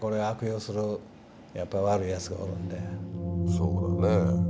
そうだね。